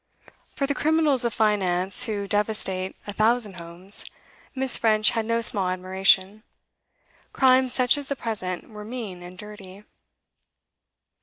For the criminals of finance, who devastate a thousand homes, Miss French had no small admiration; crimes such as the present were mean and dirty.